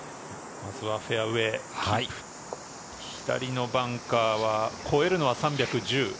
フェアウエー、左のバンカーは越えるのは３１０。